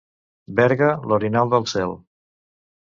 Berga, l'orinal del cel.